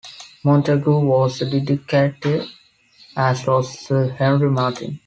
Montagu was a dedicatee, as was Sir Henry Marten.